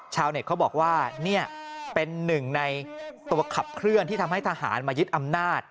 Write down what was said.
ชาวเน็ตเขาบอกว่านี่เป็นหนึ่งในตัวขับเคลื่อนที่ทำให้ทหารมายึดอำนาจ